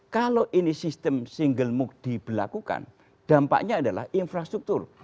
kalau ini sistem single mood diberlakukan dampaknya adalah infrastruktur